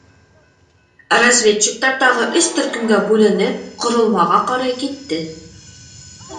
Разведчиктар тағы өс төркөмгә бүленеп ҡоролмаға ҡарай китте.